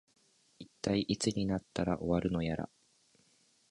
いったい、いつになったら終わるのやら